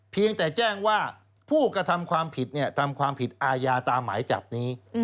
เพียงแต่แจ้งว่าผู้กระทำความผิดทำความผิดอาญาตามหมายจับนี้